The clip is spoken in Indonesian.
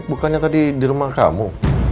bukannya tadi di rumah kamu